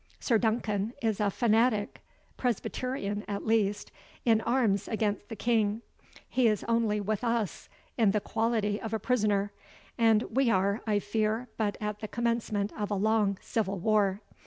Sir Duncan is a fanatic Presbyterian, at least in arms against the King; he is only with us in the quality of a prisoner, and we are, I fear, but at the commencement of a long civil war.